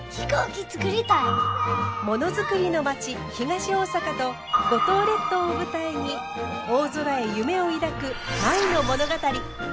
ものづくりの町東大阪と五島列島を舞台に大空へ夢を抱く舞の物語。